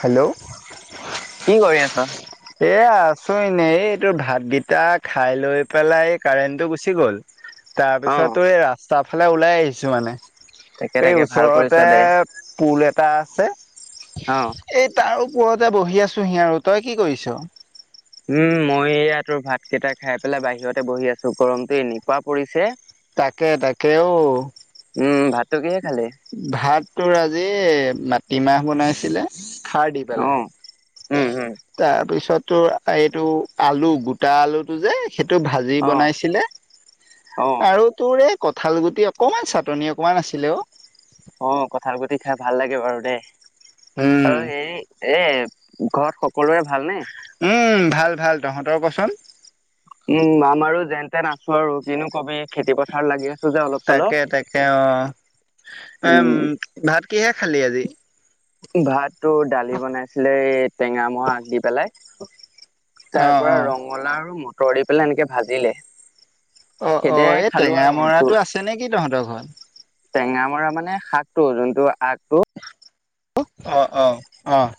Hello কি কৰি আছা? এ আছো এনে এই এইটোৰ ভাতকেইটা খাই লৈ পেলাই এই কাৰেণ্টটো গুচি গ'ল [unintelligible] অ', তাৰপিছতো এই ৰাস্তা ফালে ওলাই আহিছো মানে তাকে [unintelligible] এই তাকে ভাল কৰিছ ওচৰতে দে। পুল এটা আছে। অ', এই তাৰ ওপৰতে বহি আছোহি আৰু, তই কি কৰিছ? উম মই এয়া তোৰ ভাত কেইটা খাই পেলাই বাহিৰতে বহি আছো গৰমতটো এনেকুৱক পৰিছে [unintelligible] তাকে তাকে অঔ। উম, ভাতটো কিহে খালি? ভাত তৰ আজি [inaudible] মাটিমাহ বনাইছিলে খাৰ দি পেলাই। অ', উম, উম, তাৰপিছত তোৰ এইটো আলু গোটা আলুটো যে, সেইটো ভাজি অ', বনাইছিলে অ', আৰু তোৰ এ কঁঠাল গুটি অকমান চাটনি অকমান আছিলে অ অ কঠাল গুটি খাই ভাল লাগে বাৰু দেই আৰু উম সেই এ ঘৰত সকলোৰে ভালনে? উম ভাল ভাল তহঁতৰ কচোন [unintelligible] উম আমাৰো যেন তে নাছো আৰু কিন্তু কবি খেতি পথাৰ লাগি আছে [inaudible] তাকে তাকে অ এম উম, ভাত কিহে খালি আজি [unintelligible] ভাত টো দালি বনাইছিলে টেঙামৰা আগ দি পেলাই। অ তাৰ পৰা অ ৰঙালা আৰু মটৰ দি পেলাই এনেকে ভাজিলে [unintelligible] অ অ সেইদৰে এই খালো টেঙা আৰু ত মৰাটো আছে নে কি তহঁতৰ ঘৰত। টেঙা মৰা মানে শাকটো যোনটো আগটো [unintelligible] অ অ, অ'।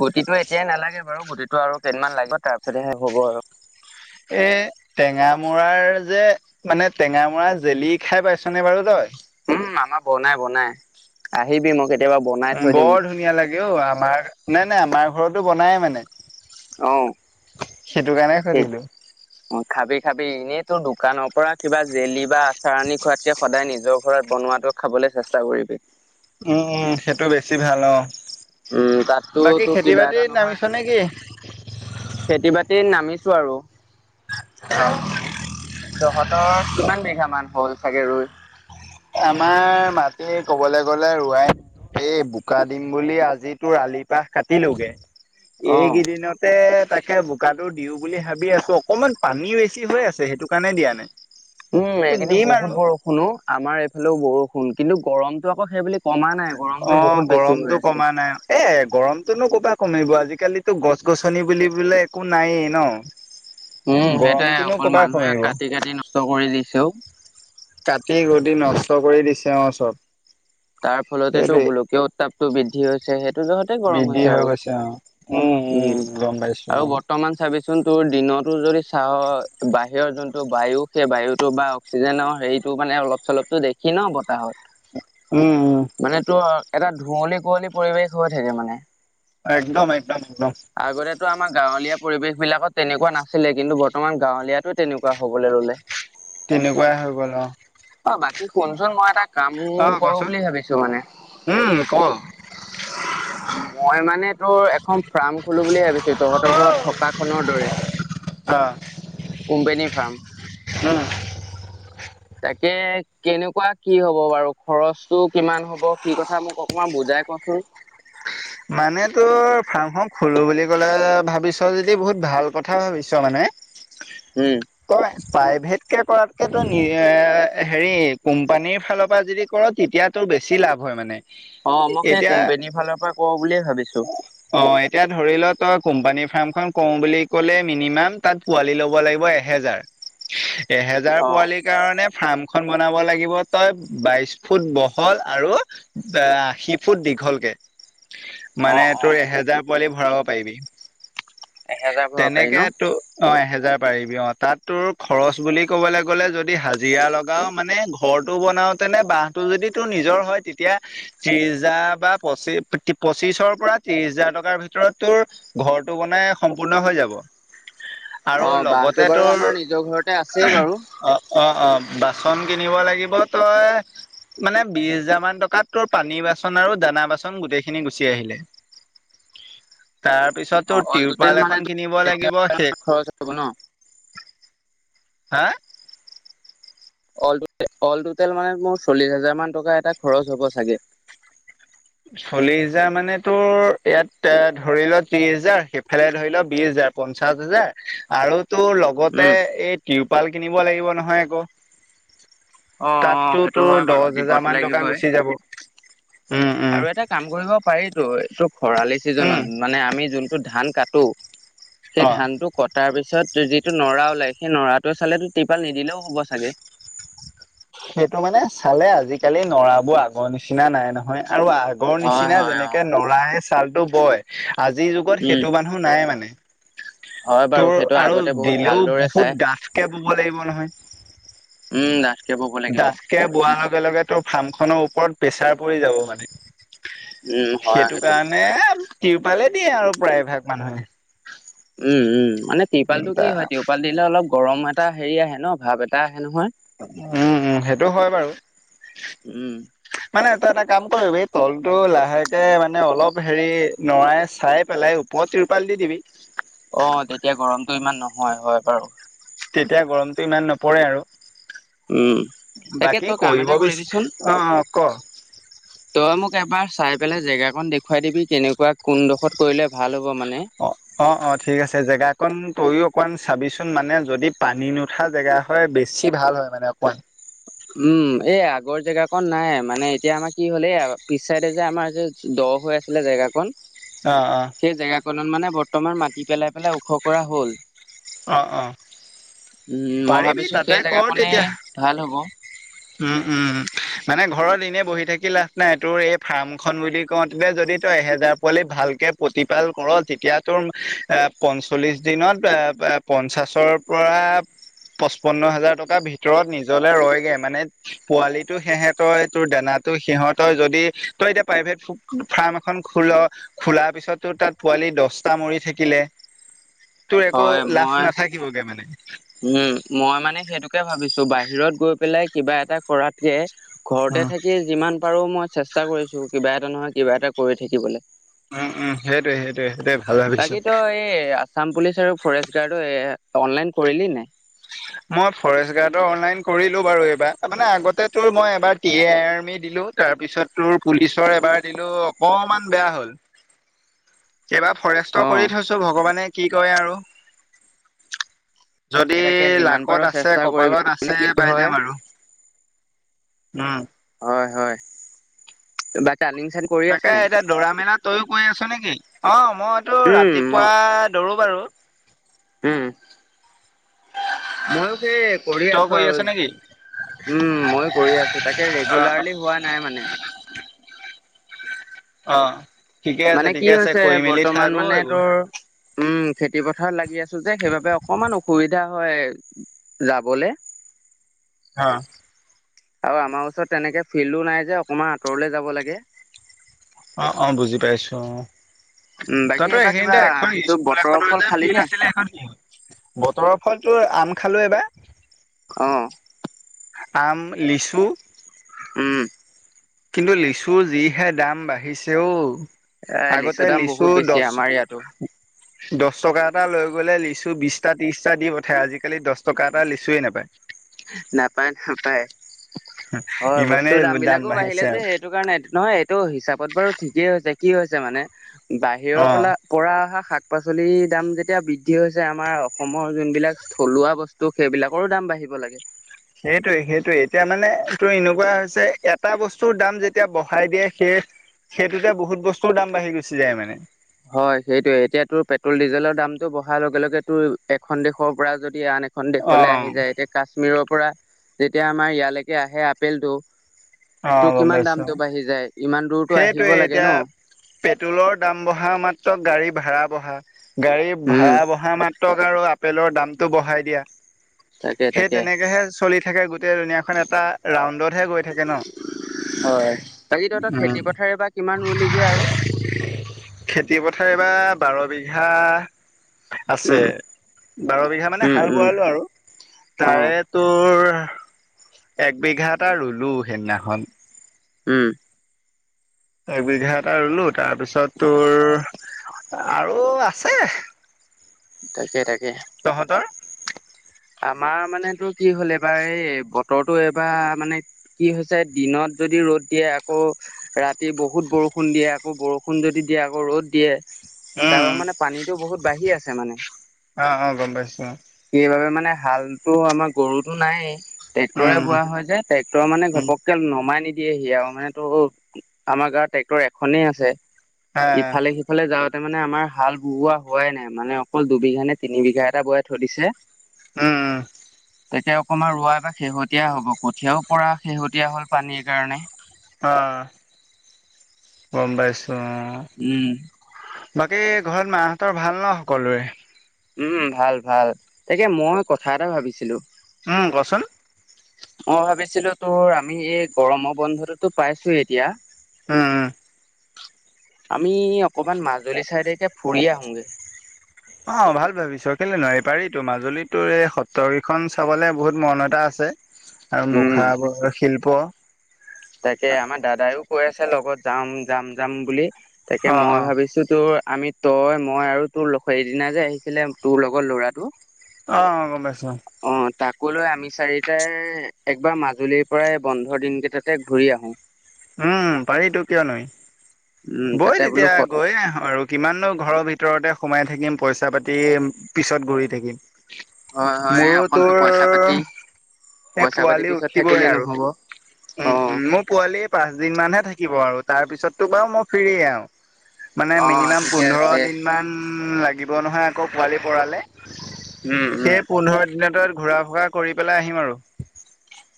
গুটিটো এতিয়াই নালাগে বাৰু গুটিটো আৰু কেইদিনমান লাগিব তাৰ পিছতহে হ'ব আৰু। এই টেঙা মৰাৰ যে মানে টেঙা মৰাৰ জেলি খাই পাইছনে বাৰু তই? উম আমাৰ বনাই বনাই আহিবি মোক উম বৰ ধুনীয়া লাগে অ আমাৰ নাই নাই আমাৰ ঘৰতো বনায় মানে অ [inaudible] সেইটো কাৰণে ঠিক সুধিলো [unintelligible] অ খাবি খাবি এনেই তোৰ দোকানৰ পৰা কিবা জেলি বা আচাৰ আনি খোৱাতকে সদায় নিজৰ ঘৰত বনোৱা বনোৱাটো খাবলৈ চেষ্টা কৰিবি। উম সেইটো বেছি ভাল অ উম তাততো বাকী তো খেতি কিবা বাতি এটা নহয় নামিছ নে কি [inaudible] খেতি বাতি নামিছো আৰু অ [inaudible] তহঁতৰ কিমান বিঘা মান হ'ল চাগে ৰুই [unintelligible] আমাৰ মাটি কবলৈ গ'লে ৰৱাই [unintelligible] এই বোকা দিম বুলি আজি তোৰ আলি পাহ কাটিলোগে অ এইকদিনতে তাকে বোকাটো দিও বুলি ভাবি আছো অকমান পানী বেছি হৈ আছে সেইটো কাৰণে দিয়া নাই উম এইকেইি দিম বহুত আৰু বৰষুণো আমাৰ এইফালেও বৰষুণ কিন্তু গৰমতটো আকৌ সেইবুলি অ গৰমতটো কমা নাই এ গৰমতনো কপা কমিব আজিকালিতো গছ গছনি বুলিবলে একো নায়েই ন উম সেইটোয়ে গৰমটোনো অকল ক'বা মানুহে কমিব কাটি কাটি নষ্ট কৰি দিছে [inaudible] কাটি গদি নষ্ট কৰি দিছে অওঁ চপ [inaudible] তাৰ ফলতেটো গোলকীয় উত্তাপটো বৃদ্ধি হৈছে সেই [unintelligible] গৰম বৃদ্ধি হৈছে হৈ আৰু গৈছে অ উম গম পাইছো আৰু অ বৰ্তমান চাৰি [inaudible] চোন তোৰ দিনতো যদি চাহৰ বাহিৰৰ যোনটো বায়ু সেই বায়ুটো বা অক্সিজেনৰ হেৰিত টো মানে অলপ চলপতো দেখি ন বতাহত [unintelligible] উম, মানে তোৰ এটা ধুঁৱলি কুঁৱলী পৰিৱেশ হৈ থাকে মানে। একদম একদম একদম। আগতেতো আমাৰ গাঁৱলীয়া পৰিৱেশ বিলাকত তেনেকুৱা নাছিলে, কিন্তু বৰ্তমান গাঁৱলীয়াটো তেনেকুৱা হ'বলৈ ললে। তেনেকুৱাই হৈ গ'ল অ'। অ বাকী শুনচোন মই এটা কাম অ কৰো কচোন বুলি ভাবিছো মানে। উম ক অ মই মানে তোৰ এখন ফাৰ্ম খলো বুলি ভাবিছো তহঁতৰ ঘৰত থকা খনৰ দৰে কোম্পানীৰ ফাৰ্ম [unintelligible] তাকে কেনেকুৱা কি হব বাৰু খৰচটো কিমান হব কি কথা মোক অকমান বুজা তাই কচোন [unintelligible] মানে তোৰ ফাৰ্মখন খলো বুলি ক'লে ভাবিছা যদি বহুত ভাল কথা ভাবিছো মানে। উম তই পাইভে ক, কৰাতকে তোয় এ হেৰি কোম্পানীৰ ফালৰ পৰা যদি কৰ তেতিয়াতটো বেছি লাভ হয় মানে। অ' মোক সেই এতিয়া কোম্পনীৰ ফালৰ পৰা ক'ব বুলিয়ে ভাবিছো অ' এতিয়া ধৰি ল তই কোম্পানী ফাৰ্মখন কওঁ বুলি ক'লে মিনিমাম তাত পোৱালি ল'ব লাগিব এহেজাৰ। এহেজাৰ অ পোৱালীৰ কাৰণে ফাৰ্ম খন বনাব লাগিব তই বাইশ ফুট বহল আৰু এ আশী ফুট দীঘলকে। অ মানে অ তোৰ এহেজাৰ পোৱালি ভৰাব পাৰিবি। এহেজাৰ ভৰাব পাৰি ন তেনেকে তো অ অ' যাই পাৰিবি অ', তাত তোৰ খৰছ বুলি কবলে গ'লে, যদি হাজিৰা লগাৱ মানে ঘৰটো বনা আৰু তেনে বাহটো যদি তোৰ নিজৰ হয় তেতিয়া ত্ৰিজা বা পচি পঁচিশৰ পৰা ত্ৰিশ হাজাৰ টকাৰ ভিতৰত তোৰ ঘৰটো বনাই সম্পূৰ্ণ হৈ যাব। আৰু অ বাঁহটো লগতে বাৰু তোৰ আমাৰ নিজৰ ঘৰতে আছেই বাৰু অ অ অ বাচন কিনিব লাগিব তই মানে বিশ হাজাৰ মান টকাত তোৰ পানী বা বাচন আৰু দানা বাচন গোটেই খিনি গুচি আহিলে। তাৰ পিছতো অ অল টোটেল টিউৰপাল এখন কিনিব মানে লাগিব শেষ [inaudible] খৰচ হ'ব ন হা'। অল টুটেল মানে মোৰ চল্লিছ হাজাৰ মান টকা এটা খৰচ হ'ব চাগে [inaudible] চল্লিশ হেজাৰ মানে তো ইয়াত এ ধৰি ল ত্ৰিশ হোজাৰ সেইফালে ধৰি ল বিশ হোজাৰ পঞ্চাশ হাজাৰ আৰু তোৰ লগতে উম এই টিৰপাল কিনিব লাগিব নহয় আকৌ। অ অ তাতটো সেইটো তোৰ হয় দহ বাৰু হোজাৰ দিবতো মান টকা লাগিবই গুচি যাব। উম উম আৰু এটা কাম কৰিব পাৰিতো এইটো খৰালি উম চিজনত মানে আমি যোনটো ধান কাট টো সেই অ ধানটো কটাৰ পিছত যিটো নৰা ওলাই সেই নৰাটোৱে চালেতো তিৰপাল নিদিলেও হ'ব চাগে। সেইটো মানে চালে আজিকালি নৰা বোৰ আগৰ নিচিনা নাই নহয়। আৰু আগৰ হয় নিচিনা হয় অ যেনেকে নৰাই ছালটো বয় আজিৰ যুগত উম সেইটো মানুহ নাই মানে। হয় বাৰু তোৰ সেইটো আৰু আগতে বহুত দিলেও ভালদৰে চাই বহুত ডাঠকে ব'ব লাগিব নহয়। উম ডাঠকে বব লাগিব ডাঠকে বোৱাৰ লগে লগে তো ফাৰ্মখনৰ ওপৰত প্ৰেছাৰ পৰি যাব মানে। উম হয় সেইটো সেইটো কাৰণে তিৰপালে দিয়ে আৰু প্ৰায়ভাগ মানুহে [inaudible] উম, উম মানে তিৰপাল উম, টো তা কি হয়, তিৰপাল দিলে অলপ গৰম এটা হেৰি আহে ন ভাৱ এটা আহে নহয় উম, উম সেইটো হয় বাৰু উম মানে এটা কাম কৰিব এই তলতটো লাহেকে মানে অলপ হেৰি নৰাই চাই পেলাই ওপৰত তিৰ পাল দি দিবি। অহ, তেতিয়া গৰমটো ইমান নহয়, হয় বাৰু। তেতিয়া গৰমটো ইমান নপৰে আৰু। উম তাকে বাকী তই কাম কৰিব এটা বি, কৰিবিচোন অ, ক তই মোক এবাৰ চাই পেলাই জেগা কন দেখুৱাই দিবি কেনেকুৱা কোনডোখত কৰিলে ভাল হ'ব। মানে। অ, অ, অ ঠিক আছে জেগাত। অকণ তইও অকমান চাবিচোন মানে যদি পানী নুঠা জেগা হয় বেছি ভাল হয় মানে অকমান। উম, এ আগৰ জেগাকন নাই মানে, এতিয়া আমাৰ কি হ'ল এই পিছ চাইড যে আমাৰ দ ব্লক হৈ আছিলে জেগাকন। অ', অ', সেই জেগাকনত মানে বৰ্তমান মাটি পেলাই- পেলাই ওখ কৰা হ'ল। অ -অ উম, মই পাৰিবি ভাবিছো তাতে সেই জেগা কৰ কনে তেতিয়া ভাল হ'ব। উম, উম মানে ঘৰত এনে বহি থাকি লাভ নাই। তোৰ এই ফাৰ্ম খন বুলি কওঁতে যদি তই তই এহেজাৰ পোৱালি ভালকে পতি পালন কৰ, তেতিয়া টোৰ পঞ্চল্লিছ দিনত পঞ্চাছৰ পৰা। পচপন্ন হাজাৰ টকাৰ ভিতৰত নিজলে ৰয় গে মানে। পোৱালিটো সেহেতৰ এই তোৰ দানা। আৰু সিহতৰ যদি তই প্ৰাইভেট ফ্ৰাম এখন খু'ল খোলা পিছত টোৰ তাত। ৱালি দহটা মৰি থাকিলে তোৰ একো হয় লাভ মই নাথাকিবগে মানে। উম, মই মানে সেইটোকে ভাবিছো বাহিৰত গৈ পেলাই কিবা এটা কৰাতকে। ঘৰতে থাকি যিমান পাৰো মই চেষ্টা কৰিছো। কিবা এটা নহয় কিবা এটা কৰি থাকিবলে। উম, উম সেইটোৱে সেইটোৱে। সেইটোৱে ভাল ভাবিছ। বাকী তই এই আছাম পুলিচ আৰু ফৰেষ্ট গাৰ্ডো অনলাইন কৰিলি নাই? মই ফৰেষ্ট গাৰ্ডৰ অনলাইন কৰিলো বাৰু এইবাৰ, মানে আগটো মই এবাৰ টি, এ আৰ্মি দিলো তাৰ পিছত তোৰ পুলিচৰ এবাৰ দিলো অকমান বেয়া হ'ল। এইবাৰ ফৰেষ্ট অ কৰি থৈছো। ভগৱানে কি কৰে আৰু। তাকে যদি তাকে যিমান পাৰো লাকত আছে চেষ্টা কৰিবি কপালত মানে আছে কি পাই হয় যাম আৰু। উম। হয়, হয়, বাকী। তাকে এতিয়া দৌৰা মেলা তয়ো কৰি আছ নে কি, অ' মইতোৰ উম মই ৰাতিপুৱা দৌৰো বাৰু। উম, ময়ো সেই কৰি আছো তই আৰু আছ নেকি উম, মই কৰি আছো। তাকে অ ৰেগুলাৰলি হোৱা নাই মানে। অ' ঠিকে আছে মানে কি ঠিকে আছে হৈছে কৰি মেলি থাক বৰ্তমান অ মানে এইবোৰ তোৰ। উম, খেতি পথাৰত লাগি আছো যে সেইবাবে অকমান অসুবিধা। হয়, যাবলে। অ'। আৰু আমাৰ ওচৰত তেনেকে ফিল্ডো নাই যে, অকমান আঁতৰলে যাব লাগে। অ' অ' বুজি পাইছো অ' উম তই বাকী ত এইবাৰ কিবা এইখিনিতে এখন তোৰ স্কুল বতৰৰ এখনৰ ফল যে খালি ফিল্ড নে? আছিলে এখন কি বতৰৰ হয়তো আম খালো এবাৰ। অ'। আম, লিচ উম। কিন্তু, লিছু যিহে দাম বাঢ়িছে অওঁ। এ আগতে দাম লিচু বহুত বেছি দহ। আমাৰ ইয়াতো দহ টকা এটা লৈ গ'লে লিচু বিশটা, ত্ৰিশটা দি পঠায় আজিকালি দহ টকা এটা লিছুয়ে নাপায়। নাপায়, নাপায়। [unintelligible] হয় ইমানেই বস্তুৰ দাম বিলাকো বাঢ়িলে বাঢ়িছে যে আৰু এইেইটো কাৰণে নহয়। এইটো হিচাপত বাৰু ঠিকেই হৈছে। কি হৈছে মানে বাহিৰৰ অ' পৰা পৰা অহা শাক। শাক পাচলিৰ দাম যেতিয়া বৃদ্ধি হৈছে আমাৰ অসমৰ যোনবিলাক থলুৱা বস্তু সেইবিলাকৰো দাম বাঢ়িব লাগে। সেইটোৱে সেইটোয়ে এতিয়া মানে এইটো এনেকুৱা হৈছে এটা বস্তুৰ দাম যেতিয়া বঢ়াই দিয়ে সেই সেইটোতে বহুত বস্তুৰ দাম বাঢ়ি গুচি যায় মানে। হয় সেইটোয়ে এতিয়া তোৰ পেট্ৰল ডিজেলৰ দামতটো বঢ়াৰ লগে লগে তোৰ এখন দেশৰ পৰা যদি এতিয়া আন এখন দেশলৈ আহি অ' যায় এতিয়া কাশ্মীৰৰ পৰা যেতিয়া আমাৰ ইয়ালৈকে আহে আপেলটো টো, অ' গম কিমান পাইছো দামটো বাঢ়ি যায়। ইমান দূৰতো আহিব সেইটোৱে লাগে ন এতিয়া পেট্ৰলৰ দাম বঢ়া মাত্ৰ গাড়ী ভাড়া বঢ়া। গাড়ী উম ভাড়া বঢ়া মাত্ৰক আৰু আপেলৰ দামটো বঢ়াই দিয়া। তাকে সেই তাকে তেনেকেহে চলি থাকে গোটেই দুুনীয়াখন এটা ৰাউণ্ডতহে গৈ থাকে ন। হয়, বাকী তহঁতৰ উম। খেতি পথাৰে বা কিমান ৰুলেগে আৰু? খেতি পথাৰ এইবাৰ বাৰ বিঘা আছে উম, বাৰ বিঘা মানে উম, হাল উম, বোৱালো আৰু, তাৰে অ', তোৰ এক বিঘা এটা ৰুলো সেইদিনাখন। উম। একবিঘা এটা ৰুলো তাৰপিছত তোৰ আৰু আছে। তাকে - তাকে। তহঁতৰ? আমাৰ মানেতোৰ কি হ'ল এইবাৰ এই বতৰটো এইবাৰ মানে কি হৈছে দিনত যদি যদি ৰ'দ দিয়ে আকৌ ৰাতি বহুত বৰষুণ দিয়ে আকৌ বৰষুণ যদি দিয়ে আকৌ ৰ'দ দিয়ে। তাৰ উম, পৰা মানে পানীটো বহুত বাঢ়ি আছে মানে, অ', অ', গম পাইছো সেইবাবে মানে মানে হালতো আমাৰ গৰুতো নায়েই। উম, ট্ৰেক্টৰে উম, বোৱা হয় যে ট্ৰেক্টৰ মানে উম, ঘপকে নমাই নিদিয়ে। দিয়েহি আৰু মানে তো আমাৰ গাঁৱত ট্ৰেক্টৰ এখনেই আছে, উম, ইফালে সিফালে যা তাতে মানে আমাৰ হাল বোৱা হোৱাই নাই মানে অকল দুবিঘা নে তিনি বিঘা এটা বোৱাই থৈ দিছে। উ। তাকে অকমান ৰোৱা বা শেহতীয়া হব কঠীয়াও পৰা শেহতীয়া হল পানীৰ কাৰণে। অ' গম পাইছো। অ উম। বাকী ঘৰত মাহঁতৰ ভাল ন সকলোৰে? উম ভাল ভাল, তাকে মই কথা এটা ভাবিছিলো কচোন মই ভাবিছিলো তোৰ আমি এই গৰমৰ বন্ধটোতো পাইছোয়েই এতিয়া। উম, উ। আমি অকমান মাজুলী চাইডেকে ফুৰি আহোগে। অ', ভাল ভাবিছ কেলৈ নোৱাৰি পাৰি তো, মাজুলীতো এই সত্ৰ কেইখন চাবলে বহুত মন এটা আছে। আছে আৰু উম মুখাবোৰৰ শিল্প। তাকে আমাৰ দাদায়েও কৈ আছে লগত যাম যাম যাম বুলি। তাকে অ মই ভাবিছো তোৰ আমি তই মই আৰু তোৰ সিদিনা যে আহিছিলে তোৰ লগৰ ল'ৰাটো। অ', অ', গম পাইছো। কলৈ আমি চাৰিটাই একবাৰ মাজুলীৰ পৰাই বন্ধৰ দিন কেইটাতে ঘূৰি আহো। উম, পাৰিতো কিয় নোৱাৰি। উম বই তাতে বোলো তেতিয়া সত গৈ আহো আৰু কিমান ঘৰৰ ভিতৰত ভিতৰতে সোমাই থাকিম পইচা পাতি পিছত ঘূৰি থাকিম। হয় হয় মোৰো অকলতো তোৰ পইচা পাতি সে পইচা পাতি পোৱালি পিছত উঠিবই থাকিলেই আৰু, নহব উ অ উ মোৰ পোৱালি পাঁচ দিন মানহে থাকে থাকিব আৰু তাৰ পিছততো বাৰু মই ফিৰিয়ে আৰু। মানে অ মিনিমাম ঠিকে পোন্ধৰ আছে দিন মান লাগিব নহয় আকৌ পোৱালি পৰালে। উম উম সেই পোন্ধৰ দিন ত ঘূৰা ফুৰা কৰি পেলাই আহিম আৰু।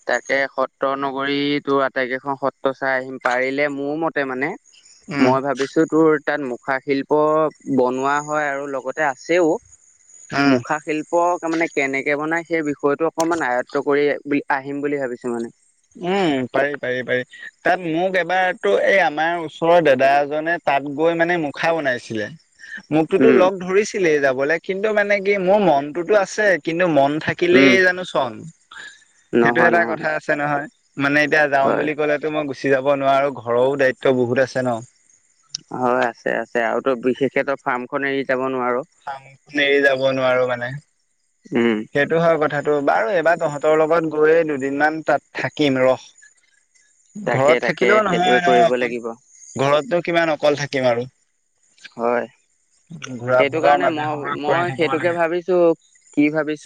তাকে সত্ৰ নগৰী তোৰ আটাইকেইখন সত্ৰ চাই আহিম পাৰিলে মোৰ মতে মানে। উম মই ভাবিছো তোৰ। তাত মুখা শিল্প বনোৱা হয়, আৰু লগতে আছেও। উম। মুখা শিল্প তামানে কেনেকে বনাই সেই বিষয়টো অকনমান আয়ত্ব কৰি বুলি। আহিম বুলি ভাবিছো মানে। উম পাৰি পাৰি পাৰি তাত মোক এবাৰতো এই আমাৰ ওচৰৰ দাদা এজনে। তাত গৈ মানে মুখা বনাইছিলে। মোকতোতো উম লগ ধৰিছিলেই যাবলে। কিন্তু মানে কি মোৰ মনটোতো আছে কিন্তু মন। থাকিলেই উম জানো চন সেইটো নহয় এটা নহয় কথা আ ছে নহয় মানে এতিয়া যাওঁ হয় বুলি ক'লেতো মই গো। গুচি যাব নোৱাৰো ঘৰৰও দায়িত্ব বহুত আছে ন হয় আছে আছে আৰু তো বিশেষকেতো ফাৰ্মখন এৰি যাব। নোৱাৰ ফামখন এৰি যাব নোৱাৰো মানে উম সেইটো হয় কথা। টো বাৰু এবাৰ তহঁতৰ লগত গৈয়ে দুদিনমান তাত থাকিম ৰস। তাকে ঘৰত তাকে থাকিলেও নহয় সেইটোৱে ন কৰিব অকল লাগিব ঘৰতো কিমান অকল থাকিম আৰু হয় [inaudible] ঘূৰা সেইটো ফুৰাও কাৰণে মাজে মই সময়ে কৰি মই থাকিব সেইটোকে লাগে ভাবিছো কি ভাবিছো